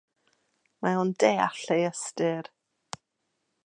Mae o'n deall ei ystyr.